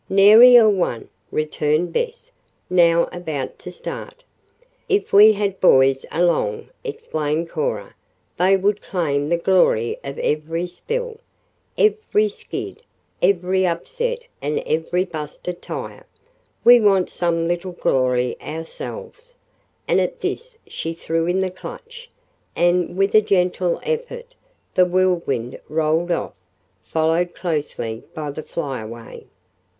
"Nary a one!" returned Bess, now about to start. "If we had boys along," explained Cora, "they would claim the glory of every spill, every skid, every upset and every 'busted tire.' We want some little glory ourselves," and at this she threw in the clutch, and, with a gentle effort, the Whirlwind rolled off, followed closely by the Flyaway.